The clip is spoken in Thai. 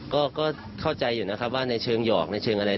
ก็เข้าใจอยู่นะครับว่าในเชิงหยอกในเชิงอะไร